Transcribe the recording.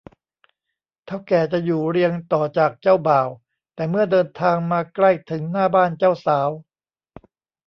เถ้าแก่จะอยู่เรียงต่อจากเจ้าบ่าว แต่เมื่อเดินทางมาใกล้ถึงหน้าบ้านเจ้าสาว